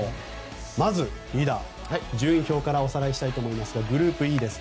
まずリーダー順位表からおさらいしたいと思いますがグループＥです。